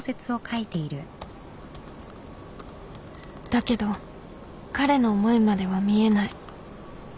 だけど彼の思いまでは見えない